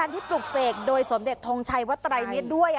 ที่ปลูกเตกโดยสมเด็จทองชัยวตรายเมตรด้วย